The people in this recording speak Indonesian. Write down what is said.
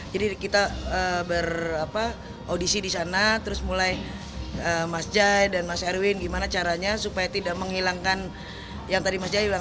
jadi kita beraudisi di sana terus mulai mas jai dan mas erwin gimana caranya supaya tidak menghilangkan yang tadi mas jai bilang